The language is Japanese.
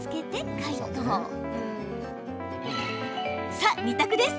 さあ２択です。